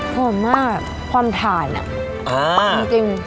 หอมมากความถ่านจริง